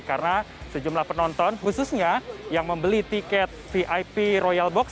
karena sejumlah penonton khususnya yang membeli tiket vip royal box